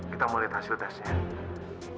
kita mau lihat hasil tesnya